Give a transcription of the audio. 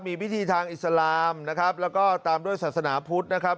มีพิธีทางอิสลามนะครับแล้วก็ตามด้วยศาสนาพุทธนะครับ